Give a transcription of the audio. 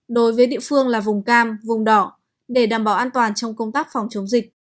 đối với địa phương là vùng cam vùng đỏ để đảm bảo an toàn trong công tác phòng chống dịch